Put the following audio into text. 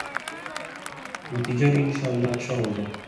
نتیجہ بھی انشاء اﷲ اچھا ہو گا۔